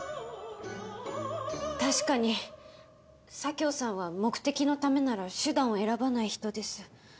確かに佐京さんは目的のためなら手段を選ばない人です